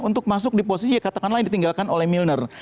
untuk masuk di posisi yang katakanlah yang ditinggalkan oleh milner